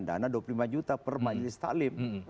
dana dua puluh lima juta per majelis ⁇ talim